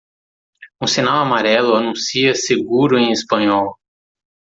Um sinal amarelo anuncia seguro em espanhol.